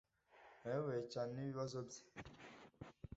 Nayobewe cyane nibibazo bye.